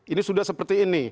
ini sudah seperti ini